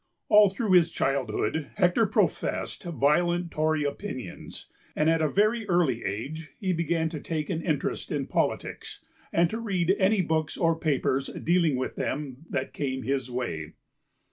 All through his childhood Hector professed violent Tory opinions, and at a very early age he began to take an interest in politics and to read any books or papers dealing with them that came his way.